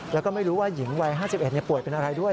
แล้วก็ไม่รู้ว่าหญิงวัย๕๑ป่วยเป็นอะไรด้วย